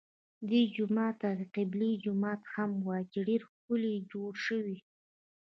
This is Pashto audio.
دې جومات ته د قبلې جومات هم وایي چې ډېر ښکلی جوړ شوی.